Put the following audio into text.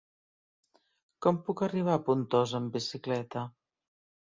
Com puc arribar a Pontós amb bicicleta?